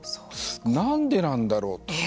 何でなんだろうと。